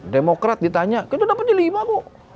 demokrat ditanya kita dapatnya lima kok